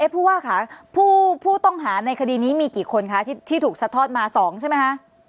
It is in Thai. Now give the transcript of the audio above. ผู้ว่าค่ะผู้ต้องหาในคดีนี้มีกี่คนคะที่ถูกซัดทอดมา๒ใช่ไหมคะ